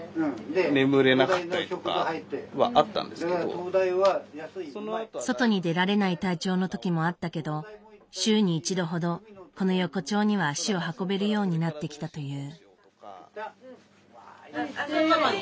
今は外に出られない体調のときもあったけど週に一度ほどこの横丁には足を運べるようになってきたという。